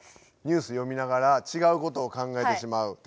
ニュースよみながらちがうことを考えてしまう。